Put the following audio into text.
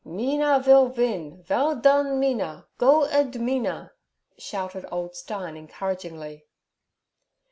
'Mina vill vin! Vell don, Mina! Go id, Mina!' shouted old Stein encouragingly.